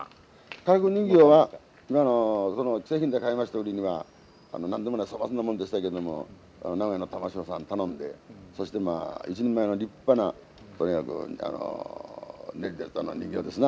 からくり人形は既製品で買います時には何でもない粗末なもんでしたけども名古屋のたましろさんに頼んでそして一人前の立派なとにかく出来てきたのは人形ですな。